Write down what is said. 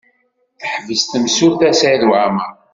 Teḥbes temsulta Saɛid Waɛmaṛ.